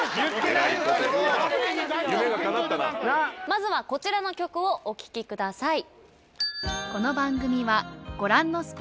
まずはこちらの曲をお聴きください。